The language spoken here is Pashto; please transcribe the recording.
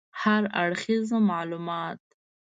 هراړخیز معلومات